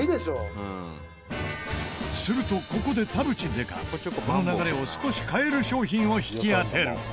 するとここで田渕刑事この流れを少し変える商品を引き当てる。